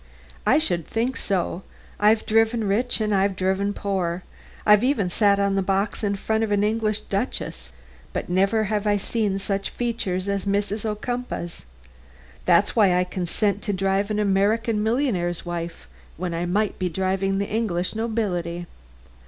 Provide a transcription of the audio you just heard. "I should think so. I've driven rich and I've driven poor. I've even sat on the box in front of an English duchess, but never have I seen such features as Mrs. Ocumpaugh's. That's why I consent to drive an American millionaire's wife when I might be driving the English nobility."